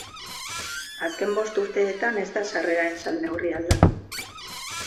Azken bost urteetan ez da sarreraren salneurria aldatu.